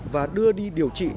và đưa đi điều trị